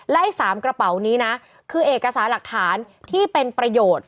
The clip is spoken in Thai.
ไอ้๓กระเป๋านี้นะคือเอกสารหลักฐานที่เป็นประโยชน์